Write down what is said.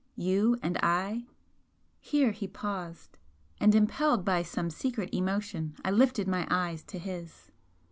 You and I" here he paused, and impelled by some secret emotion I lifted my eyes to his.